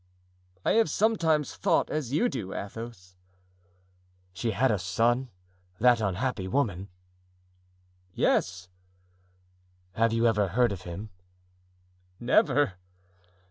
"I have sometimes thought as you do, Athos." "She had a son, that unhappy woman?" "Yes." "Have you ever heard of him?" "Never."